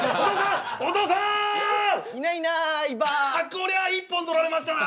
こりゃ一本取られましたな。